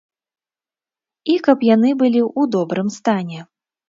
І каб яны былі ў добрым стане.